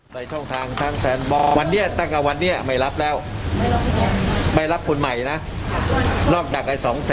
กลับมาที่เดิมคือเรื่องของ